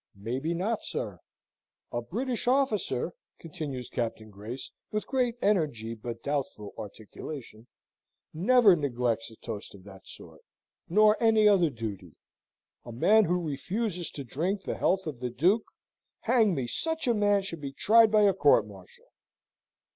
"May be not, sir." "A British officer," continues Captain Grace, with great energy but doubtful articulation, "never neglects a toast of that sort, nor any other duty. A man who refuses to drink the health of the Duke hang me, such a man should be tried by a court martial!"